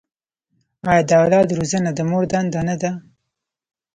آیا د اولاد روزنه د مور دنده نه ده؟